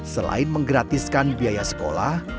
selain menggratiskan biaya sekolah